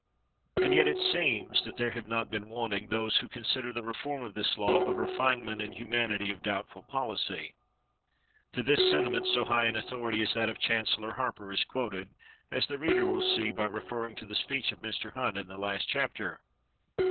And yet it seems that there have not been wanting those who consider the reform of this law "a refinement in humanity of doubtful policy"! To this sentiment, so high an authority as that of Chancellor Harper is quoted, as the reader will see by referring to the speech of Mr. Hunt, in the last chapter.